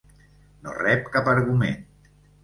No rep cap argument.